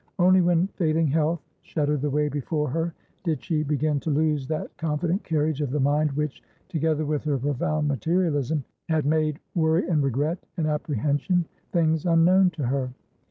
Only when failing health shadowed the way before her did she begin to lose that confident carriage of the mind which, together with her profound materialism, had made worry and regret and apprehension things unknown to her.